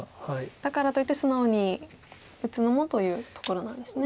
だからといって素直に打つのもというところなんですね。